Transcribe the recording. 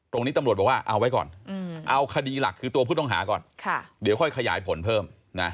ตรงนี้ตำรวจบอกว่าเอาไว้ก่อนเอาคดีหลักคือตัวผู้ต้องหาก่อนเดี๋ยวค่อยขยายผลเพิ่มนะ